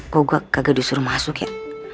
kok gua kok gua gak disuruh masuk ya